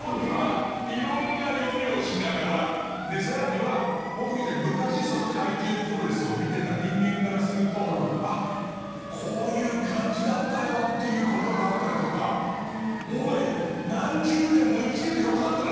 色んな読みをしながら更には、僕みたいに昔、怪獣プロレスを見てた人間からするとこういう感じだったよっていうことがあったりとかおい、何十年も生きててよかったな